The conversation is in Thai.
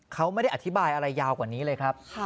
เขาไม่ได้อธิบายอะไรยาวกว่านี้เลยครับ